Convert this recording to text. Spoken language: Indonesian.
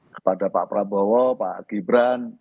kepada pak prabowo pak gibran